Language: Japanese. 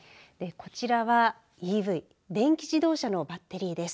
こちらはＥＶ＝電気自動車のバッテリーです。